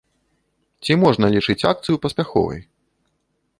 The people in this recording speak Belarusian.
Ці можна лічыць акцыю паспяховай?